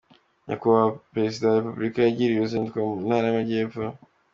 nyakubahwa perezida wa repubulika yagiriye uruzinduko mu ntara y'amajyepfo.